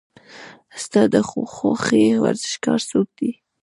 ستا د خوښې ورزشکار څوک دی؟